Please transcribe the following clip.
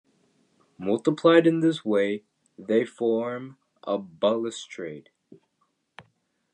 Multiplied in this way, they form a balustrade.